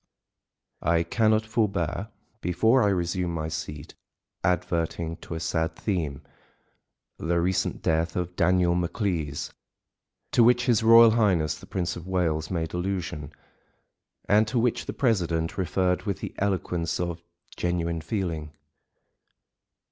I cannot forbear, before I resume my seat, adverting to a sad theme (the recent death of Daniel Maclise) to which his Royal Highness the Prince of Wales made allusion, and to which the president referred with the eloquence of genuine feeling.